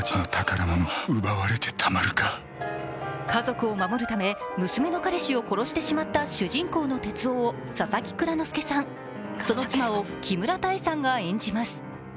家族を守るため娘の彼氏を殺してしまった主人公の哲雄を佐々木蔵之介さん、その妻を木村多江さんが演じます。